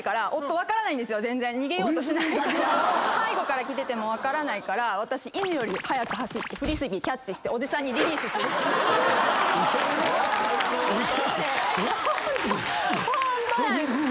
逃げようとしてないから背後から来てても分からないから私犬より速く走ってフリスビーキャッチしておじさんにリリースするっていう。